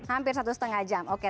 hampir satu setengah jam oke